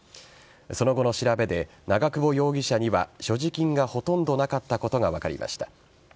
その後の調べで長久保容疑者には所持金がほとんどなかったことが分かりました。